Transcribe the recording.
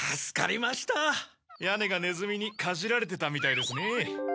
屋根がネズミにかじられてたみたいですね。